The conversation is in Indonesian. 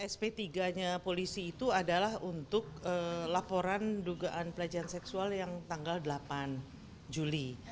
sp tiga nya polisi itu adalah untuk laporan dugaan pelecehan seksual yang tanggal delapan juli